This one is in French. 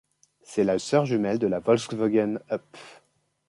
C'est la sœur jumelle de la Volkswagen up!